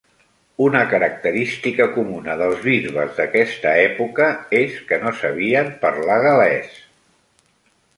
Una característica comuna dels bisbes d'aquesta època és que no sabien parlar gal·lès.